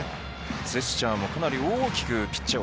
キャッチャーもかなり大きくピッチャーを